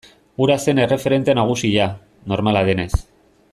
Hura zen erreferente nagusia, normala denez.